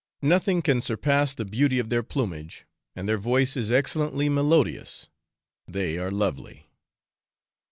Nothing can surpass the beauty of their plumage, and their voice is excellently melodious they are lovely.